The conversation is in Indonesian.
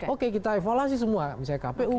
oke kita evaluasi semua misalnya kpu